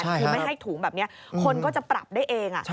คือไม่ให้ถุงแบบนี้คนก็จะปรับได้เอง